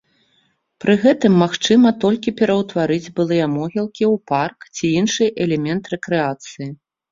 Пры гэтым магчыма толькі пераўтварыць былыя могілкі ў парк ці іншы элемент рэкрэацыі.